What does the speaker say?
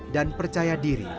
dan percaya diri